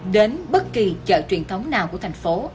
đến bất kỳ chợ truyền thống nào của thành phố